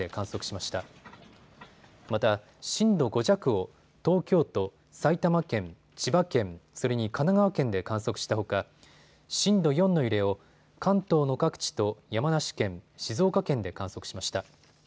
また震度５弱を東京都、埼玉県、千葉県それに神奈川県で観測したほか震度４の揺れを関東の各地と山梨県、静岡県で観測しました。